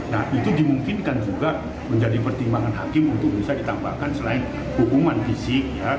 nah itu dimungkinkan juga menjadi pertimbangan hakim untuk bisa ditambahkan selain hukuman fisik ya